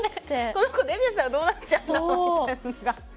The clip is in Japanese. この子デビューしたらどうなっちゃうんだろうみたいなのがあって。